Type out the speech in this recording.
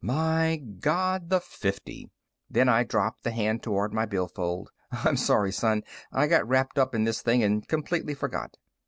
"My God, the fifty!" Then I dropped the hand toward my billfold. "I'm sorry, son; I got wrapped up in this thing and completely forgot."